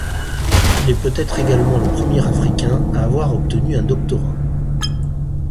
Il est peut-être également le premier Africain à avoir obtenu un doctorat.